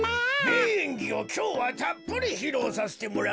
めいえんぎをきょうはたっぷりひろうさせてもらうぞ。